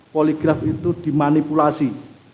poligraf itu dimanipulasi